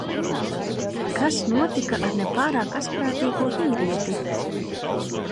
Kas notika ar ne pārāk asprātīgo vīrieti?